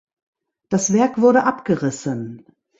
Das Werk wurde abgerissen.